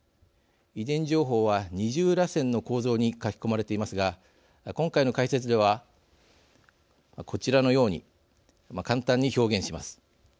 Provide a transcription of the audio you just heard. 遺伝情報は、二重らせんの構造に書き込まれていますが今回の解説ではこちらのように簡単に表現します。